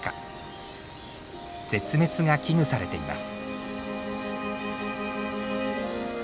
絶滅が危惧されています。